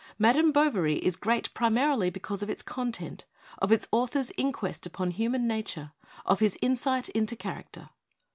' Madame Bovary' is great pri marily because of its content, of its author's in quest upon human nature, of his insight into character.